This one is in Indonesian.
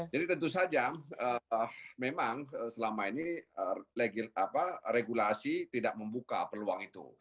jadi tentu saja memang selama ini regulasi tidak membuka peluang itu